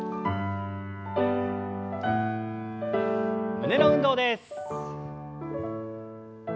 胸の運動です。